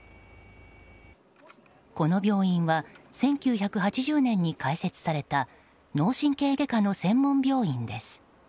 この病院は１９８０年に開設された脳神経外科の専門病院です。